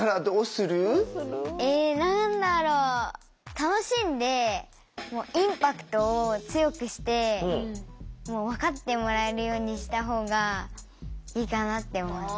楽しんでインパクトを強くして分かってもらえるようにしたほうがいいかなって思います。